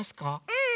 うん！